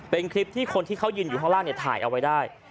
เป็นคลิปที่คนที่เขายืนอยู่ข้างล่างถ่ายเอาไว้ได้